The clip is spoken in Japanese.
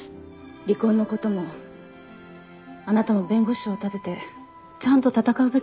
離婚の事もあなたも弁護士を立ててちゃんと闘うべきです。